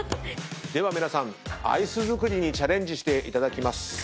では皆さんアイス作りにチャレンジしていただきます。